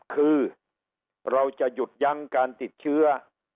คือเราจะหยุดยั้งการติดเชื้อ